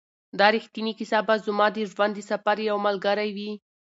دا ریښتینې کیسه به زما د ژوند د سفر یو ملګری وي.